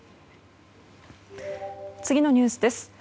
次のニュースです。